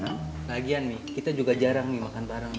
lagian mi kita juga jarang makan bareng